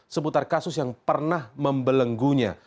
seputar kasus yang pernah membelenggunya